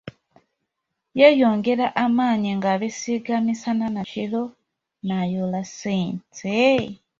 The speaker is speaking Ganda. Yeeyongera amaanyi ng’abisiiga misana na kiro n’ayoola ssente.